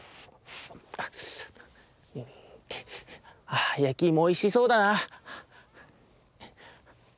あやきいもおいしそうだな。